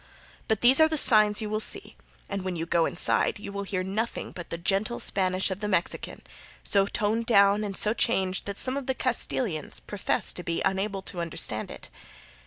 But these are the signs you will see, and when you go inside you will hear nothing but the gentle Spanish of the Mexican, so toned down and so changed that some of the Castilians profess to be unable to understand it.